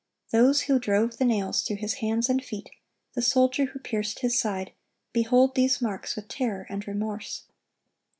Those who drove the nails through His hands and feet, the soldier who pierced His side, behold these marks with terror and remorse.